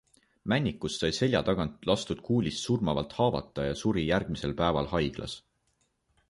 Männikus sai selja tagant lastud kuulist surmavalt haavata ja suri järgmisel päeval haiglas.